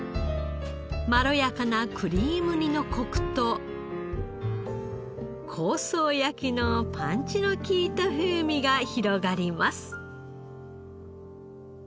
まろやかなクリーム煮のコクと香草焼きのパンチの利いた風味が広がります。